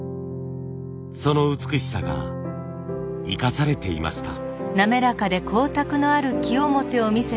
その美しさが生かされていました。